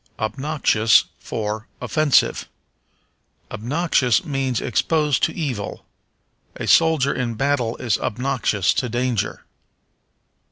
Obnoxious for Offensive. Obnoxious means exposed to evil. A soldier in battle is obnoxious to danger.